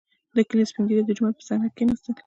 • د کلي سپین ږیري د جومات په صحنه کښېناستل.